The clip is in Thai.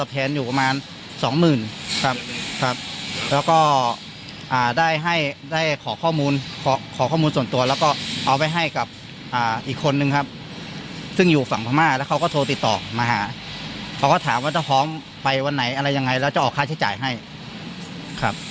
ประมาณสองหมื่นครับครับแล้วก็อ่าได้ให้ได้ขอข้อมูลขอข้อมูลส่วนตัวแล้วก็เอาไว้ให้กับอ่าอีกคนนึงครับซึ่งอยู่ฝั่งพม่าแล้วเขาก็โทรติดต่อมาหาเขาก็ถามว่าจะพร้อมไปวันไหนอะไรยังไงแล้วจะออกค่าใช้จ่ายให้ครับ